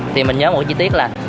thì mình nhớ một cái chi tiết là